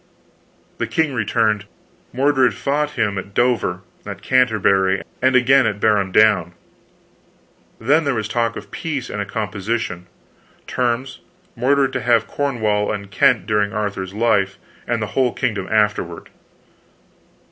The king returned; Mordred fought him at Dover, at Canterbury, and again at Barham Down. Then there was talk of peace and a composition. Terms, Mordred to have Cornwall and Kent during Arthur's life, and the whole kingdom afterward."